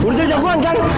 udah jauh jauh kan